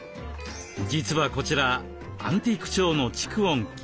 実はこちらアンティーク調の蓄音機。